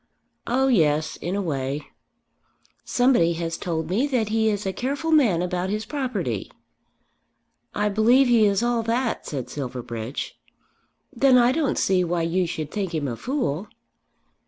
"Oh yes, in a way." "Somebody has told me that he is a careful man about his property." "I believe he is all that," said Silverbridge. "Then I don't see why you should think him a fool."